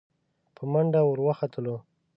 په منډه ور وختلو.